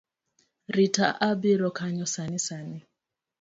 Rita abiro kanyo sani sani